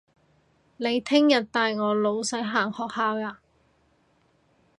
你聽日帶我細佬行學校吖